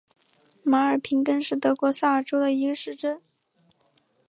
马尔平根是德国萨尔州的一个市镇。